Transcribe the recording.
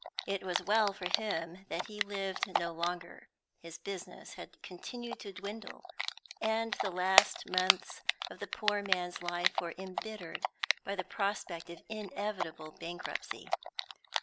It was well for him that he lived no longer; his business had continued to dwindle, and the last months of the poor man's life were embittered by the prospect of inevitable bankruptcy.